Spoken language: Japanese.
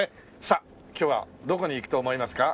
さあ今日はどこに行くと思いますか？